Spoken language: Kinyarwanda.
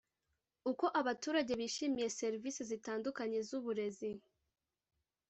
uko abaturage bishimiye serivisi zitandukanye z uburezi